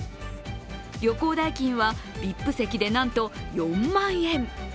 旅行代金はＶＩＰ席で、なんと４万円。